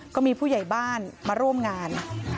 ก็มีผู้ใหญ่บ้านมาร่วมงาน